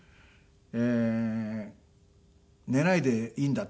え寝ないでいいんだ。